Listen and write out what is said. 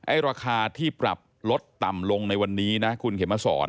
ราคาที่ปรับลดต่ำลงในวันนี้นะคุณเขมสอน